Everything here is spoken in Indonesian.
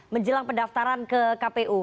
menjelang pendaftaran ke kpu